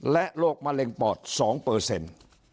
และโรคมะเร็งปอด๒เปอร์เซ็นต์